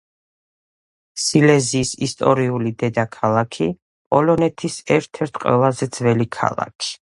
სილეზიის ისტორიული დედაქალაქი, პოლონეთის ერთ-ერთი ყველაზე ძველი ქალაქი.